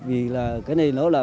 vì là cái này nó là